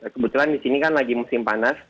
kebetulan di sini kan lagi musim panas